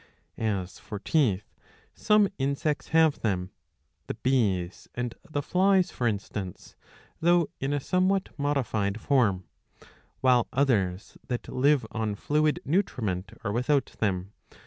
As for teeth, some insects have them, the Bees and the Flies for instance, though in a somewhat modified form, while others, that live on fluid nutriment, are without them.